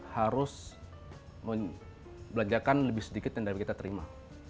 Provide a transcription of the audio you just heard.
harus membelanjakan lebih sedikit dari yang kita terima